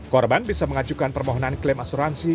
korban bisa mengajukan permohonan klaim asuransi